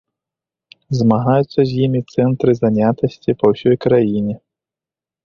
Змагаюцца з імі цэнтры занятасці па ўсёй краіне.